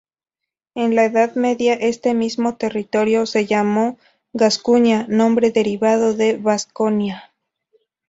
En la Edad Media, este mismo territorio se llamó Gascuña, nombre derivado de Vasconia.